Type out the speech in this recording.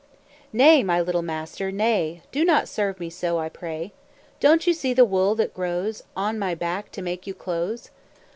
"Nay, my little master, nay, Do not serve me so, I pray! Don't you see the wool that grows On my back to make you clothes?